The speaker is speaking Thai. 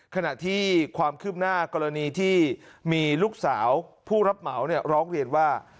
ขณะที่ความคืบหน้ากรณีที่มีลูกสาวผู้รับเหมาร้องเรียนว่า